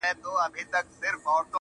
د وه بُت تراشۍ ته، تماشې د ښار پرتې دي,